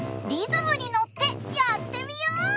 リズムにのってやってみよう！